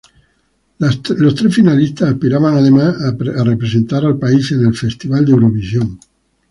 Los tres finalistas aspiraban además a representar al país en Festival de Eurovisión.